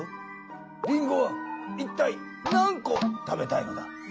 りんごはいったい何コ食べたいのだ。